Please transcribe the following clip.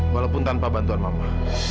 walaupun tanpa bantuan mama